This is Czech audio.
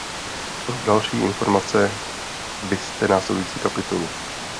Pro další informace vizte následující kapitolu.